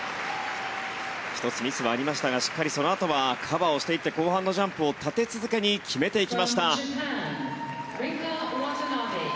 １つミスはありましたがしっかり、そのあとはカバーをしていって後半のジャンプを立て続けに決めていきました。